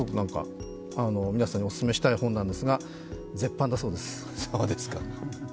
皆さんにお勧めしたい本なんですが、絶版だそうです。